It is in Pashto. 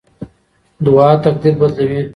دعا تقدیر بدلوي.